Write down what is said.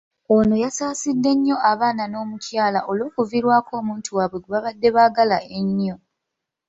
Ono yasaasidde nnyo abaana n'omukyala olw'okuviirwako omuntu waabwe gwe babadde baagala ennyo.